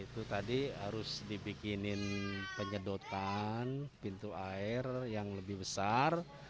itu tadi harus dibikinin penyedotan pintu air yang lebih besar